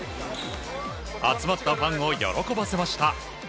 集まったファンを喜ばせました。